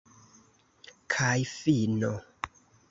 Kaj fino!